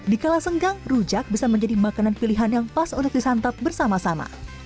di kala senggang rujak bisa menjadi makanan pilihan yang pas untuk disantap bersama sama